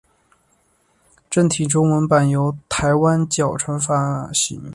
正体中文版由台湾角川发行。